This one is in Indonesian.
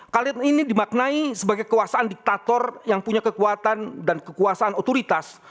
kalian ini dimaknai sebagai kekuasaan diktator yang punya kekuatan dan kekuasaan otoritas